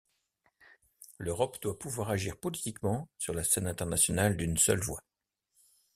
L'Europe doit pouvoir agir politiquement sur la scène internationale d'une seule voix.